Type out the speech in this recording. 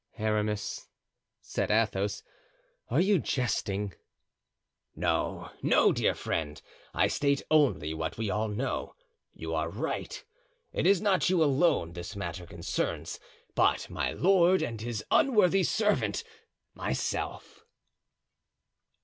"Aramis," said Athos, "are you jesting?" "No, no, dear friend; I state only what we all know. You are right; it is not you alone this matter concerns, but my lord and his unworthy servant, myself."